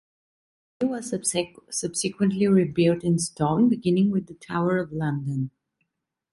Many were subsequently rebuilt in stone, beginning with the Tower of London.